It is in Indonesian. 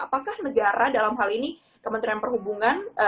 apakah negara dalam hal ini kementerian perhubungan